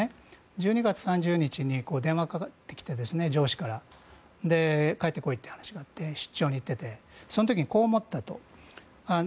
１２月３０日に上司から電話がかかってきて帰って来いという話があって出張に行っていてその時にこう思ったと。